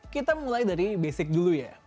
kita mulai dari basic dulu ya